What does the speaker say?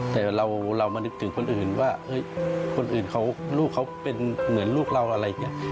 แต่เรามานึกถึงคนอื่นว่าคนอื่นเขาลูกเขาเป็นเหมือนลูกเราอะไรอย่างนี้